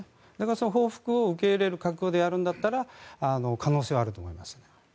その報復を受け入れる覚悟でやるんだったら可能性はあると思います。